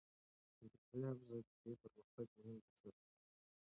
کمپيوټري حافظه د دې پرمختګ مهم بنسټ دی.